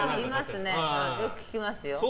よく聞きますよ。